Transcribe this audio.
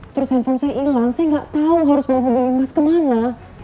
terus handphone saya hilang saya gak tau harus bawa mobil emas kemana